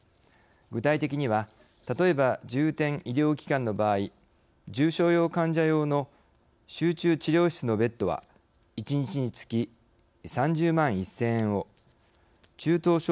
具体的には例えば重点医療機関の場合重症用患者用の集中治療室のベッドは１日につき３０万１０００円を中等症